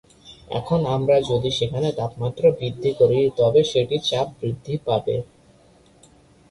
এখন আমরা যদি সেখানে তাপমাত্রা বৃদ্ধি করি তবে সেটির চাপ বৃদ্ধি পাবে।